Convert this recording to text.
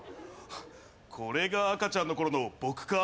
これが赤ちゃんのころの僕か。